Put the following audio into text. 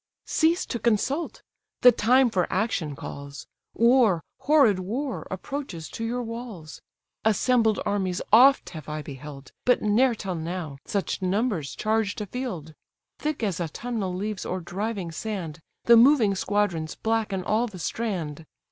"Cease to consult, the time for action calls; War, horrid war, approaches to your walls! Assembled armies oft have I beheld; But ne'er till now such numbers charged a field: Thick as autumnal leaves or driving sand, The moving squadrons blacken all the strand.